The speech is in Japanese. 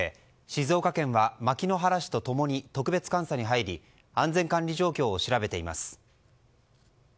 静岡県は牧之原市と共に特別監査に入り安全管理状況を調べています。